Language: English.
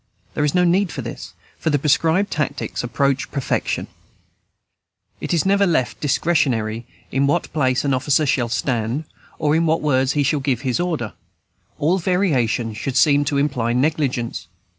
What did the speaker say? There is no need of this; for the prescribed "Tactics" approach perfection; it is never left discretionary in what place an officer shall stand, or in what words he shall give his order. All variation would seem to imply negligence.